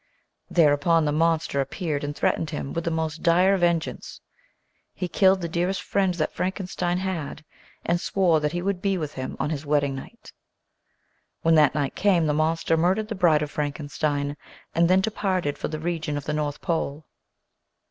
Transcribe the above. Thereupon the monster ap peared and threatened him with the most dire vengeance. He killed the dearest friend that Frankenstein had and swore that he would be with him on his wedding night. When that night came the monster murdered the bride of Frankenstein and then departed for the region of the north pole.